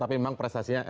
tapi memang prestasinya